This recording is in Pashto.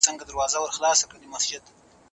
کمپيوټر وېزې تنظيموي.